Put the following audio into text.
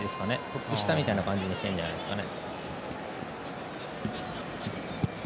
トップ下みたいな感じにしたいんじゃないですかね。